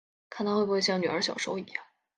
看她会不会像女儿小时候一样